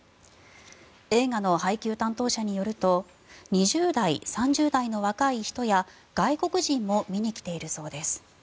映画の配給担当者によると２０代、３０代の若い人や外国人も見に来ているそうです。